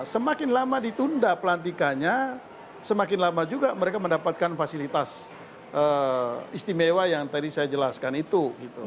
semakin lama ditunda pelantikannya semakin lama juga mereka mendapatkan fasilitas istimewa yang tadi saya jelaskan itu